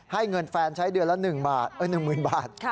ให้เงินแฟนใช้เดือนละหนึ่งหมื่นบาท